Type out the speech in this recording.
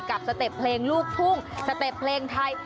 สเต็ปเพลงลูกทุ่งสเต็ปเพลงไทย